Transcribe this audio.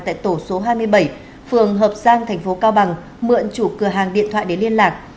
tại tổ số hai mươi bảy phường hợp giang thành phố cao bằng mượn chủ cửa hàng điện thoại để liên lạc